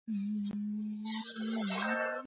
Moyo wangu ukuinue kila wakati.